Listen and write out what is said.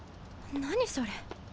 何それ。